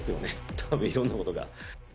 たぶんいろんなことが。